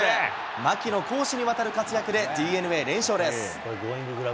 牧の攻守にわたる活躍でＤｅＮＡ、連勝です。